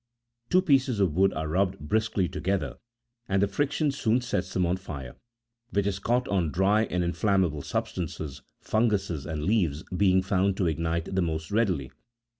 Two pieces of wood are rubbed briskly together, and the friction ^soon sets them on fire; which is caught on dry and inflammable substances, fun guses and leaves being found to ignite the most readily.